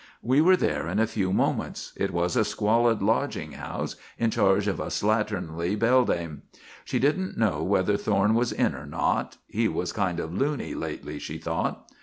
We were there in a few moments. It was a squalid lodging house, in charge of a slatternly beldam. She didn't know whether Thorne was in or not. He was kind of loony, lately, she thought.